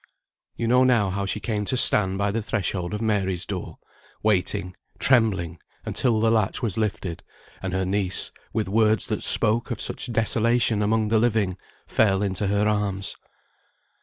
You know now how she came to stand by the threshold of Mary's door, waiting, trembling, until the latch was lifted, and her niece, with words that spoke of such desolation among the living, fell into her arms.